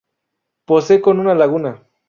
Posee con una laguna.